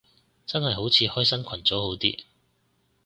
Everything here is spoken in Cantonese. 但係好似開新群組好啲